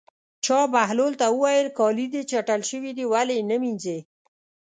چا بهلول ته وویل: کالي دې چټل شوي دي ولې یې نه وینځې.